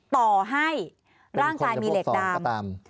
ต่อให้ร่างกายมีเหล็กดาม